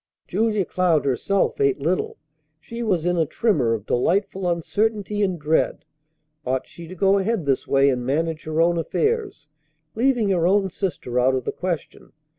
Julia Cloud herself ate little. She was in a tremor of delightful uncertainty and dread. Ought she to go ahead this way and manage her own affairs, leaving her own sister out of the question?